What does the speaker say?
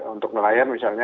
untuk nelayan misalnya